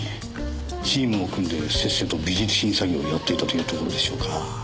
チームを組んでせっせと美術品詐欺をやっていたというところでしょうか。